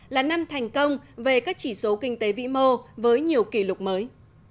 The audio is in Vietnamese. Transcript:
là năm thành công về các chỉ số kinh tế vĩ mô với nhiều kỷ lục mới